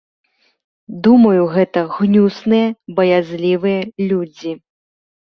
Думаю, гэта гнюсныя, баязлівыя людзі.